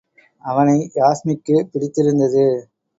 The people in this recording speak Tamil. அவனை யாஸ்மிக்குப் பிடித்திருந்தது.